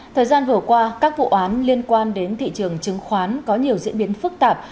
thời gian vừa qua các vụ án liên quan đến thị trường chứng khoán có nhiều diễn biến phức tạp